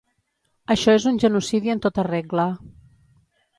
Això és un genocidi en tota regla.